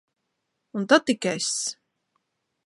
Un tad tik es.